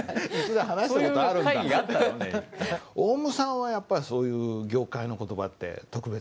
オウムさんはやっぱりそういう業界の言葉って特別にあります？